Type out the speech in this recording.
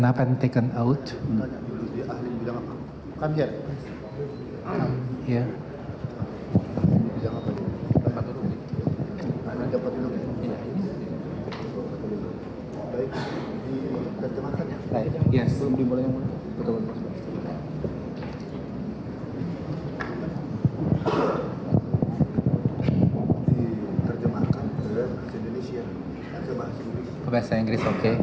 dalam perkara ini